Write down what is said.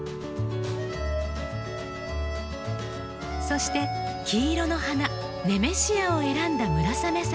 そして黄色の花ネメシアを選んだ村雨さん。